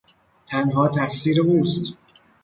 تنها تقصیر اوست.